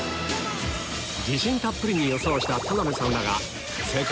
自信たっぷりに予想した田辺さん